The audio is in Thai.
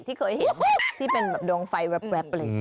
ที่เคยเห็นที่เป็นเหลวงไฟแบบ